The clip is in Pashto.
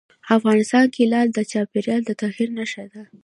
افغانستان کې لعل د چاپېریال د تغیر نښه ده.